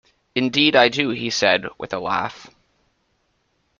"Indeed I do," he said, with a laugh.